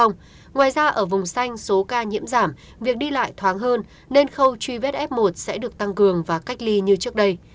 ngoài ra ở vùng xanh số ca nhiễm giảm việc đi lại thoáng hơn nên khâu truy vết f một sẽ được tăng cường và cách ly như trước đây